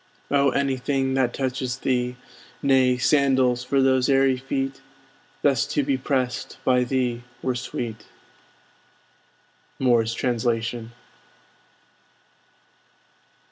Oh, anything that touches thee, Nay, sandals for those airy feet Thus to be pressed by thee were sweet! Moore's Translation.